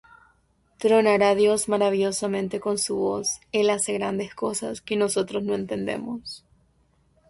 Tronará Dios maravillosamente con su voz; El hace grandes cosas, que nosotros no entendemos.